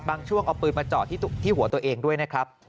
ช่วงเอาปืนมาเจาะที่หัวตัวเองด้วยนะครับ